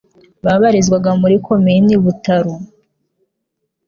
Babarizwaga muri Komini Butaro